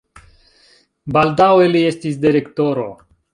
Baldaŭe li estis direktoro.